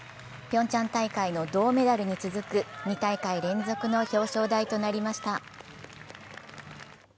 ピョンチャン大会の銅メダルに続く、２大会連続の表彰台となりました。